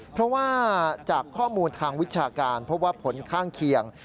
เพราะว่าจากข้อมูลทางวิชาการพบว่าผลข้างเคียง